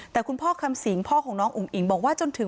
แต่คุณพ่อคำสีงพ่อของน้องอุงอิงบอกว่า